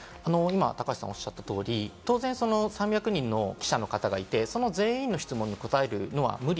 高橋さんがおっしゃった通り、当然３００人の記者がいて、全員の質問に答えるのは無理。